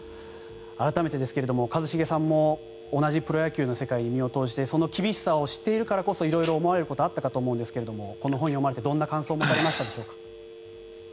改めてですが一茂さんも同じプロ野球の世界に身を投じてその厳しさを知っているからこそ色々思われることあったかと思うんですがこの本を読んで、どんな感想を持たれたでしょうか？